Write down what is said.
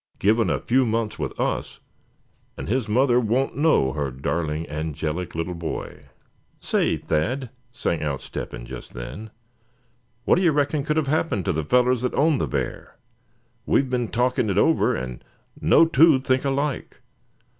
Given a few months with us, and his mother won't know her darling angelic little boy." "Say, Thad," sang out Step hen just then; "what d'ye reckon could have happened to the fellers that own the bear? We've been talking it over, and no two think alike.